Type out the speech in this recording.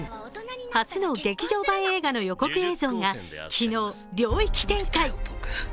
初の劇場版映画の予告映像が昨日、領域展開！